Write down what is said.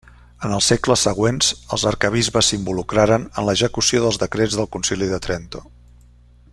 En els segles següents els arquebisbes s'involucraren en l'execució dels decrets del Concili de Trento.